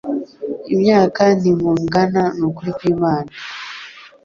Imyaka ntimungana nukuri kwimana